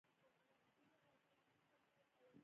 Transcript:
د غیر عادلانه قوانینو پایله ډېره ملموسه ده.